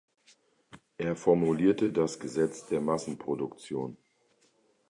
Er formulierte das Gesetz der Massenproduktion.